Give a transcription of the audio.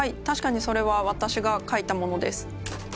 たしかにそれは私がかいたものです。